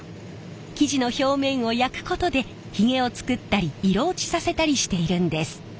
生地の表面を焼くことでヒゲを作ったり色落ちさせたりしているんです。